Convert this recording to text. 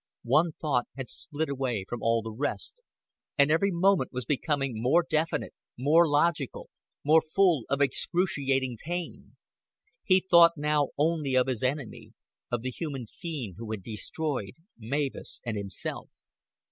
One thought had split away from all the rest, and every moment was becoming more definite, more logical, more full of excruciating pain. He thought now only of his enemy, of the human fiend who had destroyed Mavis and himself.